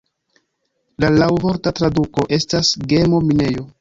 La laŭvorta traduko estas "gemo-minejo".